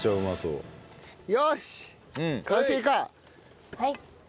はい。